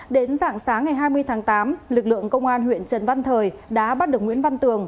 đến dạng sáng ngày hai mươi tháng tám lực lượng công an huyện trần văn thời đã bắt được nguyễn văn tường